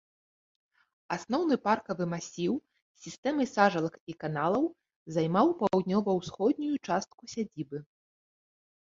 Асноўны паркавы масіў з сістэмай сажалак і каналаў займаў паўднёва-ўсходнюю частку сядзібы.